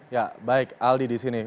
ya baik aldi di sini